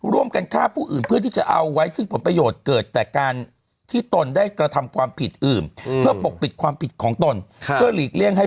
ร่วมกันฆ่าผู้อื่นเพื่อที่จะเอาไว้ซึ่งผลประโยชน์เกิดแต่การที่ตนได้กระทำความผิดอื่น